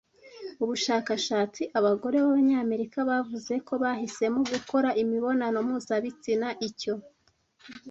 Ubushakashatsi abagore b'Abanyamerika bavuze ko bahisemo gukora imibonano mpuzabitsina icyo